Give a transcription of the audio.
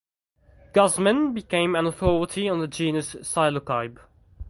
Guzman became an authority on the genus "Psilocybe".